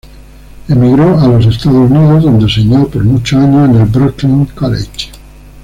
Emigró a los Estados Unidos donde enseñó por muchos años en el Brooklyn College.